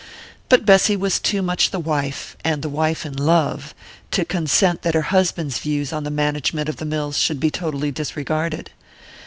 But Bessy was too much the wife and the wife in love to consent that her husband's views on the management of the mills should be totally disregarded.